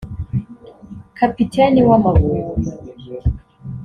Kapiteni w’Amavubi